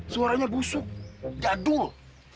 suaranya busuk jadul